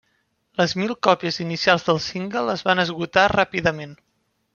Les mil còpies inicials del single es van esgotar ràpidament.